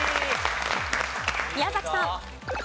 宮崎さん。